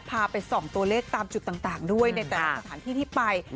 พาไปส่องตัวเลขตามจุดต่างด้วยในแต่ละสถานที่ที่ไป